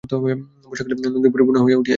বর্ষাকালে নদী পরিপূর্ণ হইয়া উঠিয়াছে।